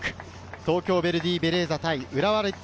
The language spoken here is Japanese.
東京ヴェルディベレーザ対浦和レッズ